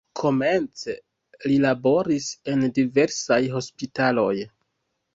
Komence li laboris en diversaj hospitaloj.